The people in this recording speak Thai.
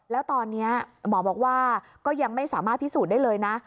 แล้วตอนนี้หมอบอกว่าก็ยังไม่สามารถพิสูจน์ได้เลยนะ